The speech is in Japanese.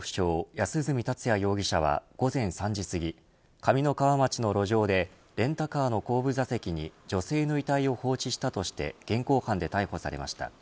安栖達也容疑者は午前３時すぎ上三川町の路上でレンタカーの後部座席に女性の遺体を放置したとして現行犯で逮捕されました。